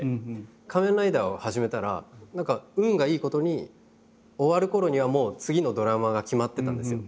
「仮面ライダー」を始めたら何か運がいいことに終わるころにはもう次のドラマが決まってたんですよ。